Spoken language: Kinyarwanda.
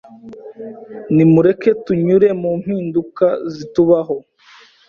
nimureke tunyure mu mpinduka zitubaho